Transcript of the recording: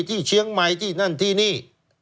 ที่เชียงใหม่ที่นั่นที่นี่